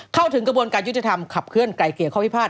เข้าถึงกระบวนการยุติธรรมขับเคลื่อนไกลเกลี่ยข้อพิพาท